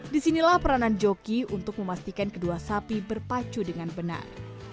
disinilah peranan joki untuk memastikan kedua sapi berpacu dengan benar